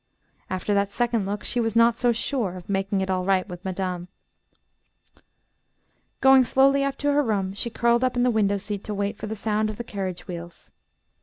After that second look, she was not so sure of making it all right with madame. Going slowly up to her room, she curled up in the window seat to wait for the sound of the carriage wheels.